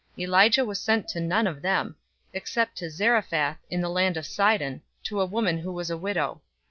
004:026 Elijah was sent to none of them, except to Zarephath, in the land of Sidon, to a woman who was a widow.